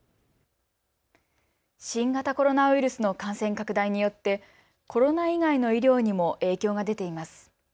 新型コロナウイルスの感染拡大によってコロナ以外の医療にも影響が出ています。